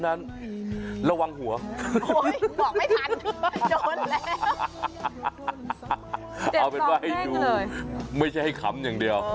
เอาเป็นว่าให้ดูไม่ใช่ให้ขำอย่างเดียว